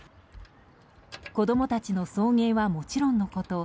子供たちの送迎はもちろんのこと